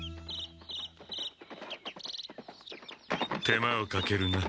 手間をかけるな。